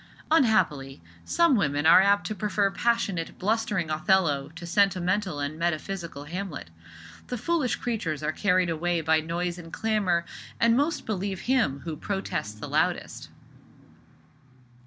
Unhappily, some women are apt to prefer passionate, blustering Othello to sentimental and metaphysical Hamlet. The foolish creatures are carried away by noise and clamour, and most believe him who protests the loudest.